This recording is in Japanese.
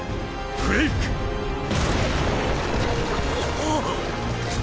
あっ！